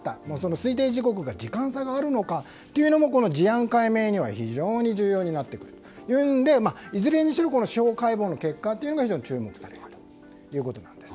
推定時刻に時間差があるのかもこの事案解明には非常に重要になるというのでいずれにしろ、司法解剖の結果が非常に注目されるということです。